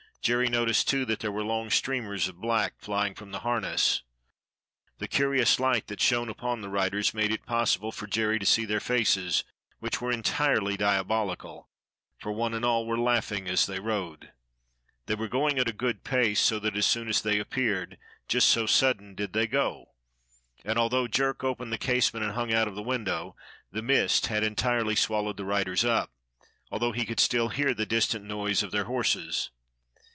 Jerry noticed, too, that there were long streamers of black flying from the harness. The curious light that shone upon the riders made it possible for Jerry to see their faces, which were entirely diabolical, for one and all were laughing as they rode. They were going at a good pace, so that as soon as they appeared, just so sudden did they go, and although Jerk opened the casement and hung out of the window, the mist had entirely swallowed the riders up, although he could still hear the distant noise of their horses.